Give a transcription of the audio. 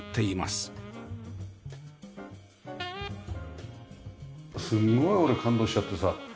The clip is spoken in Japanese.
すごい俺感動しちゃってさ。